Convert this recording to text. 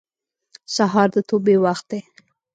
سهار د توبې وخت دی.